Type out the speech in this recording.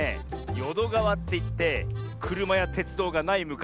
よどがわっていってくるまやてつどうがないむかしはね